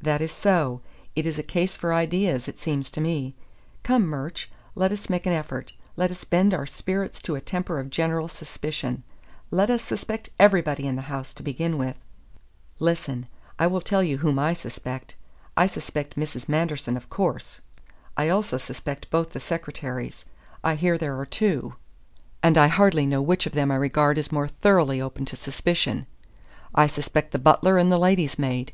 "That is so. It is a case for ideas, it seems to me. Come, Murch, let us make an effort; let us bend our spirits to a temper of general suspicion. Let us suspect everybody in the house, to begin with. Listen: I will tell you whom I suspect. I suspect Mrs. Manderson, of course. I also suspect both the secretaries I hear there are two, and I hardly know which of them I regard as more thoroughly open to suspicion. I suspect the butler and the lady's maid.